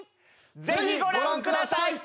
ぜひご覧ください！